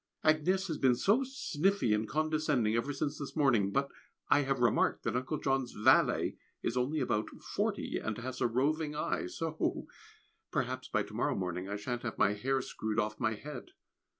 Agnès has been so sniffy and condescending ever since this morning; but I have remarked that Uncle John's valet is only about forty and has a roving eye! so perhaps by to morrow morning I shan't have my hair screwed off my head!